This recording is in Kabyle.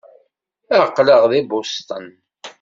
Aql-aɣ deg Boston.